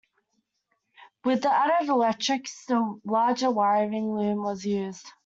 With the added electrics the larger wiring loom was used.